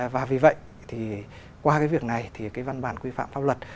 và vì vậy thì qua cái việc này thì cái văn bản quy phạm pháp luật